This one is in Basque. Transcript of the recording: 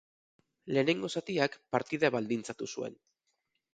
Lehenengo zatiak partida baldintzatu zuen.